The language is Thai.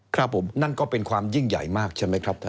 ครับผมนั่นก็เป็นความยิ่งใหญ่มากใช่ไหมครับท่าน